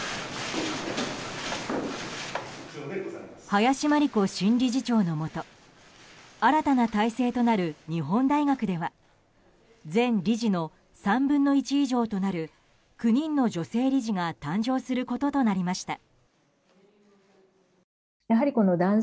林真理子新理事長のもと新たな体制となる日本大学では全理事の３分の１以上となる９人の女性理事が誕生することになりました。